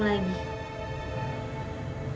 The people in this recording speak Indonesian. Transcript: kak erwin bisa senyum lagi